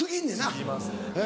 過ぎますね。